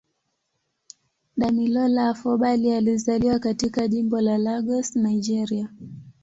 Damilola Afolabi alizaliwa katika Jimbo la Lagos, Nigeria.